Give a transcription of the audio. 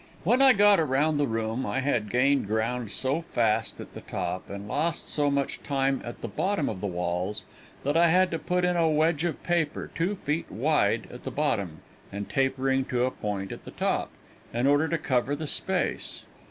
When I got around the room I had gained ground so fast at the top and lost so much time at the bottom of the walls, that I had to put in a wedge of paper two feet wide at the bottom, and tapering to a point at the top, in order to cover the space.